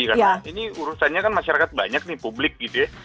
karena ini urusannya kan masyarakat banyak nih publik gitu ya